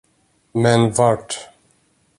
Men vart?